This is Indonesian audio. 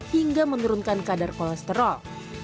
hingga menurunkan kadar kolesterol